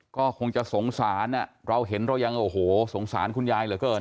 ก็คงจะสงสารเราเห็นเรายังโอ้โหสงสารคุณยายเหลือเกิน